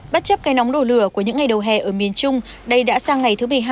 bất chấp cây nóng đổ lửa của những ngày đầu hè ở miền trung đây đã sang ngày thứ một mươi hai